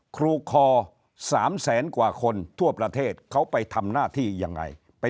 ครูคอ๓แสนกว่าคนทั่วประเทศเขาไปทำหน้าที่ยังไงไป